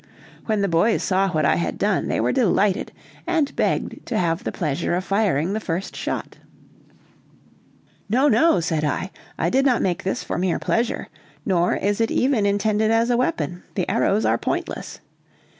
When the boys saw what I had done they were delighted, and begged to have the pleasure of firing the first shot. "No, no!" said I, "I did not make this for mere pleasure, nor is it even intended as a weapon, the arrows are pointless.